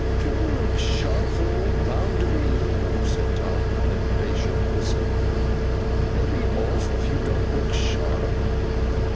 'Do look sharp for old Bounderby, Loo!' said Tom, with an impatient whistle. 'He'll be off if you don't look sharp!